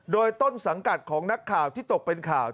โดยต้นสังกัดของนักข่าวที่ตกเป็นข่าว